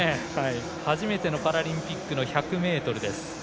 初めてのパラリンピックの１００ｍです。